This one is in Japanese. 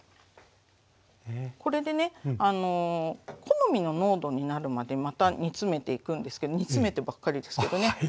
これでね好みの濃度になるまでまた煮詰めていくんですけど煮詰めてばっかりですけどね。